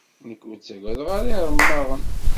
Nekk ur ttaggadeɣ ara iremmaɣen.